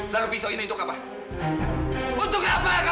lalu pisau ini untuk apa untuk apa